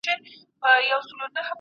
نوي غړي کله ټاکل کیږي؟